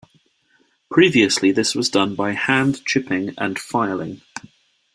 Previously this was done by hand chipping and filing.